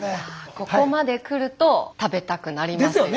ここまでくると食べたくなりますよね。